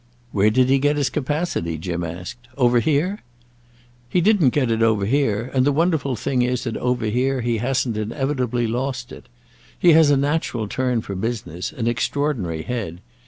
"Where did he get his capacity," Jim asked, "over here?" "He didn't get it over here, and the wonderful thing is that over here he hasn't inevitably lost it. He has a natural turn for business, an extraordinary head.